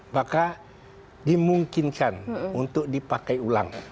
maka dimungkinkan untuk dipakai ulang